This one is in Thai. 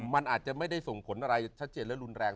มันอาจจะไม่ได้ส่งผลอะไรชัดเจนและรุนแรง